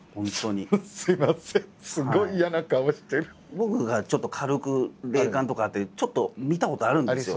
僕がちょっと軽く霊感とかあってちょっと見たことあるんですよ。